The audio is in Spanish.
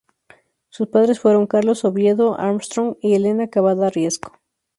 Su padres fueron Carlos Oviedo Armstrong y Elena Cavada Riesco.